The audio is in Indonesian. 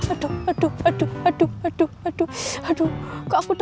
aduh aduh aduh aduh aduh aduh aduh aduh aduh aduh